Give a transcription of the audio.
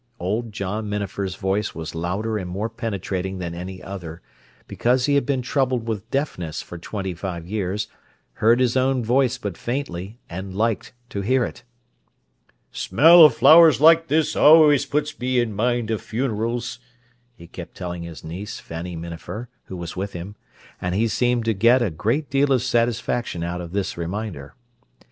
Old John Minafer's voice was louder and more penetrating than any other, because he had been troubled with deafness for twenty five years, heard his own voice but faintly, and liked to hear it. "Smell o' flowers like this always puts me in mind o' funerals," he kept telling his niece, Fanny Minafer, who was with him; and he seemed to get a great deal of satisfaction out of this reminder.